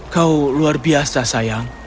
kau luar biasa sayang